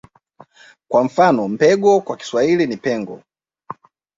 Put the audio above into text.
Kwa mfano Mbengo kwa Kiswahili ni Pengo